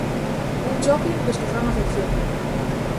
Un choque dos que fan afección.